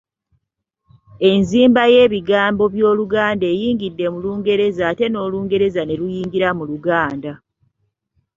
Enzimba y’ebigambo by’Oluganda eyingidde mu Lungereza ate n’Olungereza ne luyingira mu Luganda.